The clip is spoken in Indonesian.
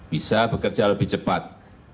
bisa bekerja lebih cepat